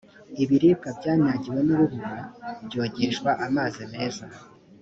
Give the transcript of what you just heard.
ibiribwa byanyagiwe nurubura byogeshwa amazi meza